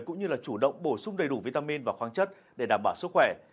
cũng như là chủ động bổ sung đầy đủ vitamin và khoáng chất để đảm bảo sức khỏe